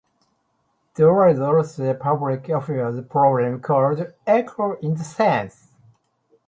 There is also a public affairs program called "Echo in the Sense".